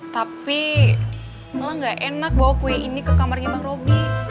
tapi malah gak enak bawa kue ini ke kamarnya bang roby